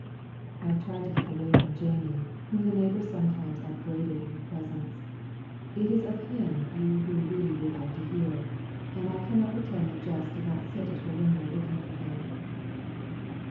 I have tried to keep away from Jamie, whom the neighbors sometimes upbraided in her presence. It is of him you who read would like to hear, and I cannot pretend that Jess did not sit at her window looking for him.